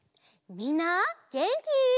みんなげんき？